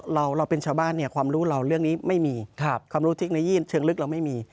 เราเป็นชาวบ้านเนี่ยความรู้เราเรื่องนี้ไม่มีความรู้เทคโนยื่นเชิงลึกเราไม่มี